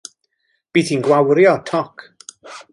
Bydd hi'n gwawrio toc.